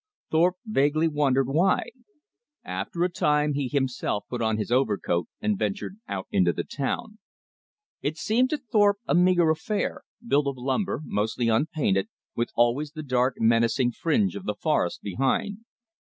Thorpe vaguely wondered why. After a time he himself put on his overcoat and ventured out into the town. It seemed to Thorpe a meager affair, built of lumber, mostly unpainted, with always the dark, menacing fringe of the forest behind.